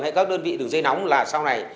hay các đơn vị đường dây nóng là sau này